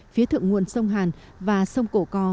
phía thượng nguồn sông hàn và sông cổ cò